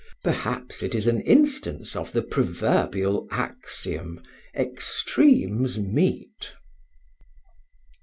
Perhaps it is an instance of the proverbial axiom, extremes meet.